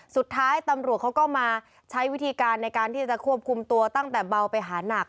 สุดท้ายตำรวจเขาก็มาใช้วิธีการในการที่จะควบคุมตัวตั้งแต่เบาไปหานัก